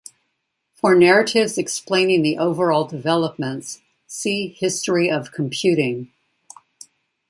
For narratives explaining the overall developments, see History of computing.